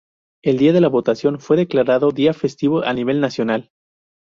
El día de la votación fue declarado día festivo a nivel nacional.